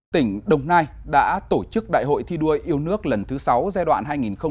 tỉnh đồng nai đã tổ chức đại hội thi đua yêu nước lần thứ sáu giai đoạn hai nghìn hai mươi hai nghìn hai mươi năm